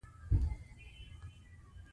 چرګه مې په هر چا باندې خپل حکم چلوي.